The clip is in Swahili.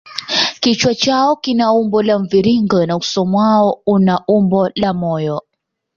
Kichwa chao kina umbo la mviringo na uso mwao una umbo la moyo.